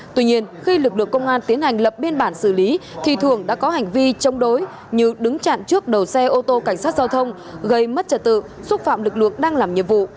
tuy nhiên khi lực lượng công an tiến hành lập biên bản xử lý thì thường đã có hành vi chống đối như đứng chặn trước đầu xe ô tô cảnh sát giao thông gây mất trật tự xúc phạm lực lượng đang làm nhiệm vụ